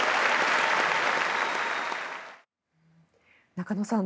中野さん